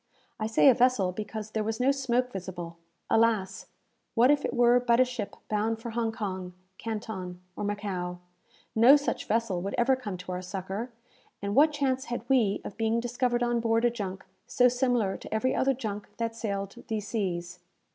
I say a vessel because there was no smoke visible. Alas! what if it were but a ship bound for Hong Kong, Canton, or Macao? No such vessel would ever come to our succour, and what chance had we of being discovered on board a junk so similar to every other junk that sailed these seas?